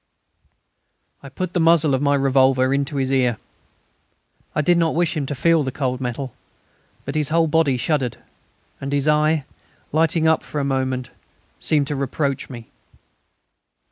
I put the muzzle of my revolver into his ear. I did not wish him to feel the cold metal; but his whole body shuddered, and his eye, lighting up for a moment, seemed to reproach me.